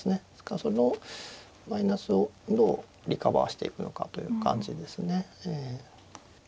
そのマイナスをどうリカバーしていくのかという感じですね。